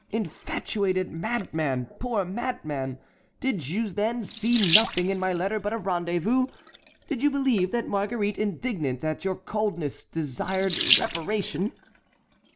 Infatuated madman! Poor madman! Did you, then, see nothing in my letter but a rendezvous? Did you believe that Marguerite, indignant at your coldness, desired reparation?"